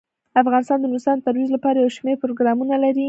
افغانستان د نورستان د ترویج لپاره یو شمیر پروګرامونه لري.